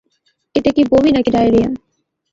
এটা কী বমি না-কি ডায়রিয়া?